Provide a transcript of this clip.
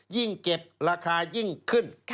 ยิ่งเก็บราคายิ่งขึ้น